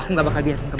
aku gak bakal biarkan